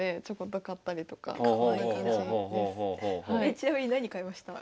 ちなみに何買いました？